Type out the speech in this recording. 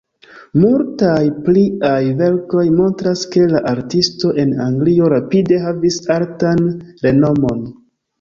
Multaj pliaj verkoj montras, ke la artisto en Anglio rapide havis altan renomon.